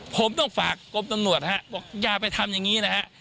ผมต้องฝากกรมตำรวจฮะบอกอย่าไปทำอย่างนี้นะฮะ